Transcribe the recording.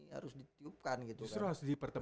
harus ditiupkan gitu kan